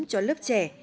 cho lớp trẻ